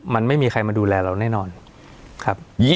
มันไม่มีใครมาดูแลเราแน่นอนครับ